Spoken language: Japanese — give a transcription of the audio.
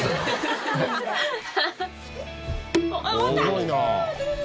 「すごいな」